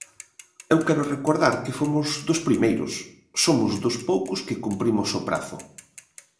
Eu quero recordar que fomos dos primeiros, somos dos poucos que cumprimos o prazo.